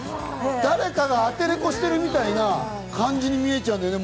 誰かがアテレコしてるみたいな感じに見えちゃうんだよね、